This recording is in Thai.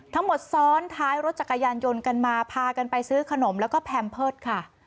ซ้อนท้ายรถจักรยานยนต์กันมาพากันไปซื้อขนมแล้วก็แพมเพิร์ตค่ะ